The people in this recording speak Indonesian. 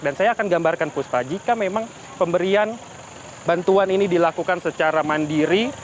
dan saya akan gambarkan puspa jika memang pemberian bantuan ini dilakukan secara mandiri